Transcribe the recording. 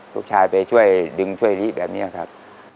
ลูกชายไปช่วยดึงช่วยลิแบบนี้ครับ